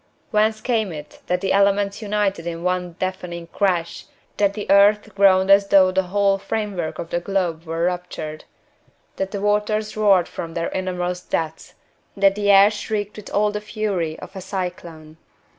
Whence came it that the elements united in one deafening crash; that the earth groaned as though the whole framework of the globe were ruptured; that the waters roared from their innermost depths; that the air shrieked with all the fury of a cyclone?